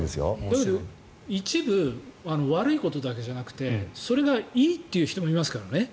だけど一部悪いことだけじゃなくてそれがいいという人もいますからね。